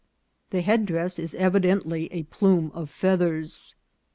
The headdress is ev idently a plume of feathers.